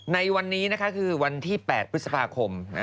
ในวันนี้นะคะคือวันที่๘พฤษภาคม